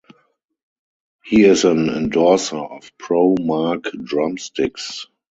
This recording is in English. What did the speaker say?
He is an endorser of Pro-Mark Drumsticks.